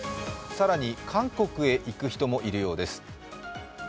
更に、韓国へ行く人もいるようです。